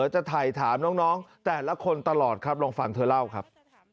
จะถ่ายถามน้องแต่ละคนตลอดครับลองฟังเธอเล่าครับ